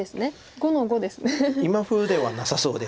今風ではなさそうです。